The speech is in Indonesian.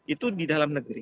itu di dalam negeri